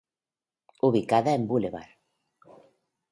Ubicada en Blvd.